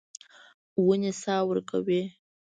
ونې سا ورکوي.